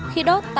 khi đốt lửa